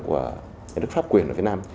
của nước pháp quyền ở việt nam